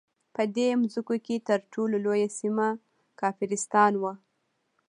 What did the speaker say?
په دې مځکو کې تر ټولو لویه سیمه کافرستان وو.